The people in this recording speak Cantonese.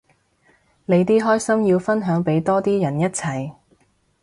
你啲開心要分享俾多啲人一齊